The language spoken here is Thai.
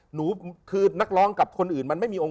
หนูคือนักร้องกับคนอื่นมันไม่มีอง